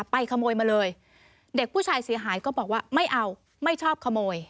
ไปขโมยมาเลยเด็กผู้ชายเสียหายก็บอกว่าไม่เอาไม่ชอบขโมย